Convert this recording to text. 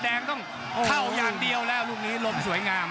แดงต้องเข้าอย่างเดียวแล้วลูกนี้ลมสวยงาม